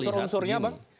tapi kalau unsur unsurnya bang